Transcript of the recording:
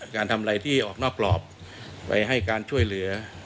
การทำอะไรที่ออกนอกกรอบไปให้การช่วยเหลือ